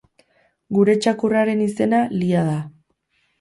Gure txakurraren izena Liha da